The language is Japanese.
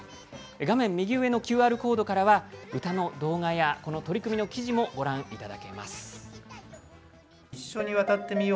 画面右上のＱＲコードからは歌の動画やこの取り組みの記事もご覧いただけます。